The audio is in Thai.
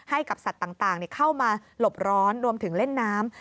ให้กับสัตว์ต่างเข้ามาหลบร้อนรวมถึงเล่นน้ำ